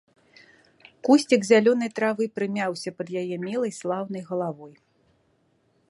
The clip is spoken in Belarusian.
Кусцік зялёнай травы прымяўся пад яе мілай, слаўнай галавой.